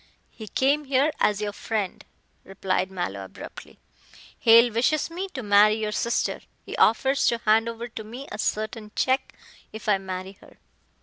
"He came here as your friend," replied Mallow abruptly, "Hale wishes me to marry your sister. He offers to hand over to me a certain check if I marry her."